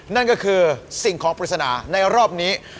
นั่นก็คือสิ่งของปริศนาในรอบนี้